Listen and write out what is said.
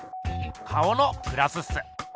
顔のグラスっす。